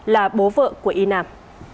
là bố vợ của y nam